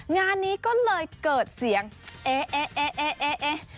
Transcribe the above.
งานนี้ก็เลยเกิดเสียงเอ๊ะเอ๊ะเอ๊ะเอ๊ะเอ๊ะเอ๊ะ